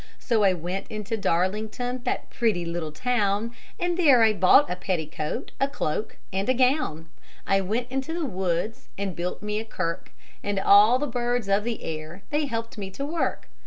So I went into Darlington, that pretty little town, And there I bought a petticoat, a cloak, and a gown. I went into the woods and built me a kirk, And all the birds of the air, they helped me to work.